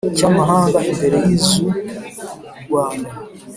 cy amahanga imbere y iz u Rwanda